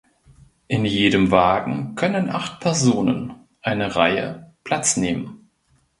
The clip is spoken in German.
In jedem Wagen können acht Personen (eine Reihe) Platz nehmen.